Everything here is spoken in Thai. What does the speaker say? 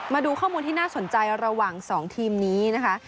มาดูข้อมูลที่น่าสนใจระหว่าง๒ทีมนี้นะคะ